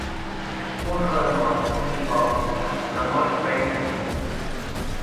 Un rodamón, un hipòcrita, l'amor regna en mi.